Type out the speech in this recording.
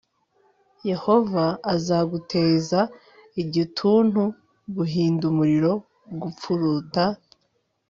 yehova azaguteza igituntu,+ guhinda umuriro, gupfuruta